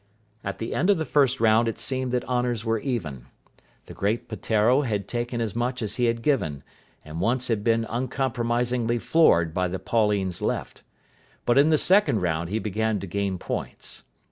At the end of the first round it seemed that honours were even. The great Peteiro had taken as much as he had given, and once had been uncompromisingly floored by the Pauline's left. But in the second round he began to gain points.